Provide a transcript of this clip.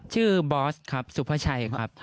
บอสครับสุภาชัยครับ